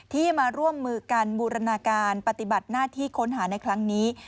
ที่มาร่วมมือกันบูรณาการปฏิบัติหน้าที่ค้นหาในครั้งนี้